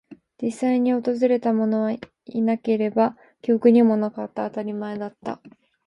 実際に訪れたものはいなければ、記憶にもなかった。当たり前だった。